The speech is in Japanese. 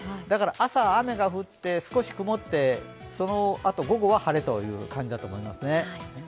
だから、朝、雨が降って少し曇ってそのあと、午後は晴れという感じだと思います。